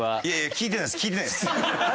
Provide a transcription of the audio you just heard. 聞いてないです。